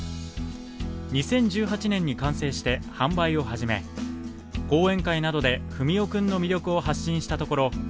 ２０１８年に完成して販売を始め講演会などでふみおくんの魅力を発信したところ